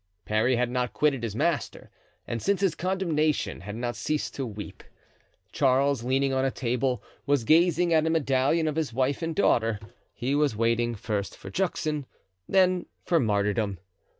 Parry had not quitted his master, and since his condemnation had not ceased to weep. Charles, leaning on a table, was gazing at a medallion of his wife and daughter; he was waiting first for Juxon, then for martyrdom.